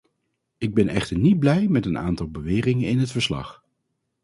Ik ben echter niet blij met een aantal beweringen in het verslag.